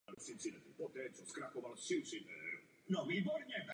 Stavba přestala být k původnímu účelu využívána po druhé světové válce.